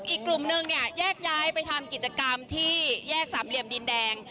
อีกกลุ่มนึงเนี่ยแยกย้ายไปทำกิจกรรมที่แยกสามเหลี่ยมดินแดง